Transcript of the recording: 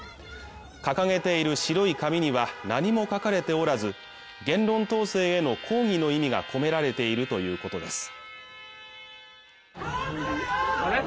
掲げている白い紙には何も書かれておらず言論統制への抗議の意味が込められているということです